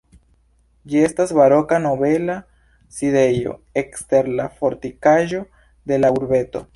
Ĝi estas baroka nobela sidejo ekster la fortikaĵo de la urbeto.